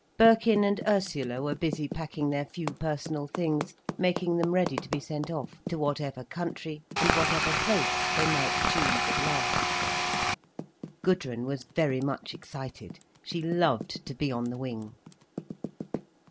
Birkin and Ursula were busy packing their few personal things, making them ready to be sent off, to whatever country and whatever place they might choose at last. Gudrun was very much excited. She loved to be on the wing.